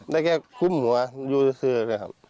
แล้วก็กุมหัวยูสื่อเลยครับ